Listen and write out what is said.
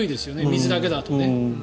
水だけだとね。